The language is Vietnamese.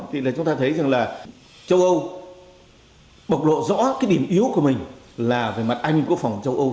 thì chúng ta thấy rằng là châu âu bộc lộ rõ cái điểm yếu của mình là về mặt an ninh quốc phòng châu âu